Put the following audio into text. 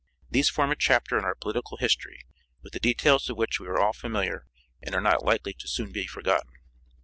These form a chapter in our political history, with the details of which we are all familiar, and are not likely to soon be forgotten.